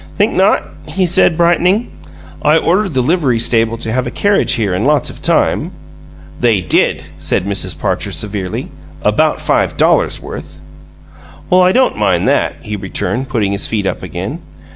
"Think not?" he said, brightening. "I ordered the livery stable to have a carriage here in lots of time." "They did," said Mrs. Parcher, severely. "About five dollars' worth." "Well, I don't mind that," he returned, putting his feet up again.